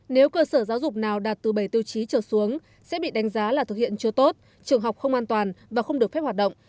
nếu cơ sở giáo dục nào đạt từ bảy tiêu chí trở xuống sẽ bị đánh giá là thực hiện chưa tốt trường học không an toàn và không được phép hoạt động